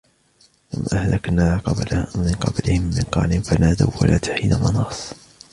كَمْ أَهْلَكْنَا مِنْ قَبْلِهِمْ مِنْ قَرْنٍ فَنَادَوْا وَلَاتَ حِينَ مَنَاصٍ